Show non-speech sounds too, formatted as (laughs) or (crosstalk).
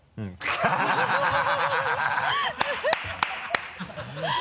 ハハハ (laughs)